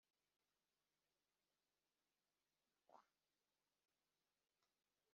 Keziah Jones ni umwe mu bahanzi bakomeye muri Afurika